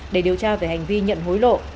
để điều tra về hành vi nhận hối lộ